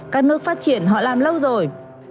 các nước phát triển họ làm lâu rồi